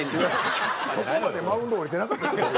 そこまでマウンド降りてなかったですよ